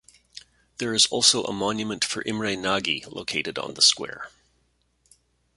There is also a monument for Imre Nagy located on the square.